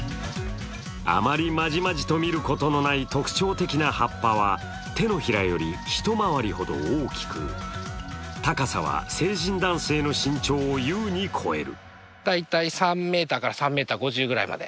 あまりまじまじと見ることのない特徴的な葉っぱは、手のひらより一回りほど大きく高さは成人男性の身長を優に超える。